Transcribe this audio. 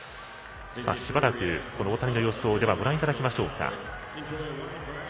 しばらく大谷の様子をご覧いただきましょうか。